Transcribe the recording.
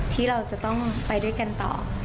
ที่เราจะต้องไปด้วยกันต่อ